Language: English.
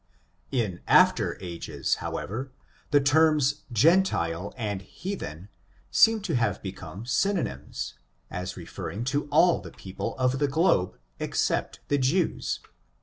In after ages, however, the terms gentile arid hea then seem to have become synonymous, as referring to all the people of the globe, except the Jews.